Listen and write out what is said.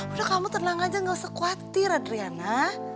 udah kamu tenang aja gak usah khawatir adriana